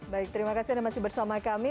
baik terima kasih anda masih bersama kami